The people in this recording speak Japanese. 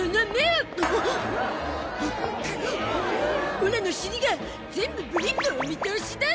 オラの尻が全部ブリッとお見通しだ！